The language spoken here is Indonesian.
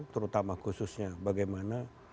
terutama khususnya bagaimana